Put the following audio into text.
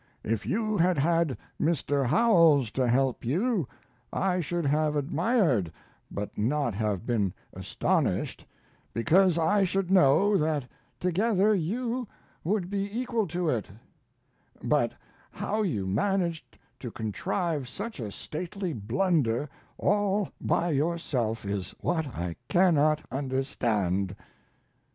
If you had had Mr. Howells to help you I should have admired, but not have been astonished, because I should know that together you would be equal to it; but how you managed to contrive such a stately blunder all by yourself is what I cannot understand."